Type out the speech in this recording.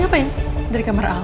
ngapain dari kamar al